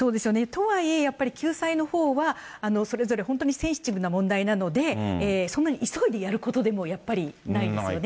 とはいえ、救済のほうはそれぞれ本当にセンシティブな問題なので、そんなに急いでやることでも、やっぱり、ないですよね。